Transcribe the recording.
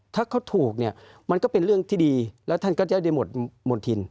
ถ้าเขาถูกเนี่ยมันก็เป็นเรื่องที่ดีแล้วท่านก็จะได้หมดทิน